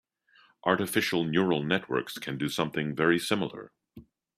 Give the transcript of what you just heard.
Artificial neural networks can do something very similar.